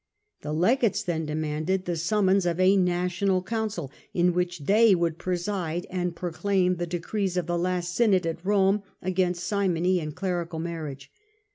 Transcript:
The legates then demanded the summons of a national council, in which they would preside and proclaim the decrees of the last synod at Rome against simony and clerical marriage.